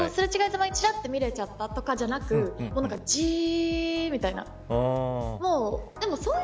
すれ違いざまにちらっと見られちゃったとかじゃなくじっみたいな。